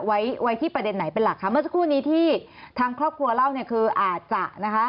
ไว้ไว้ที่ประเด็นไหนเป็นหลักคะเมื่อสักครู่นี้ที่ทางครอบครัวเล่าเนี่ยคืออาจจะนะคะ